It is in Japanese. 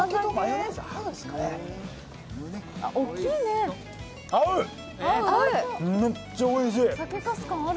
めっちゃおいしい！